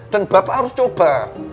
dan bapak harus coba